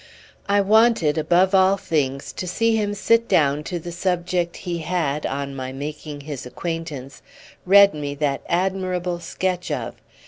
I wanted above all things to see him sit down to the subject he had, on my making his acquaintance, read me that admirable sketch of.